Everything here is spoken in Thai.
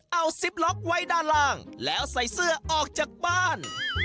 เอาซิปล็อกไว้ด้านล่างแล้วใส่เสื้อออกจากบ้าน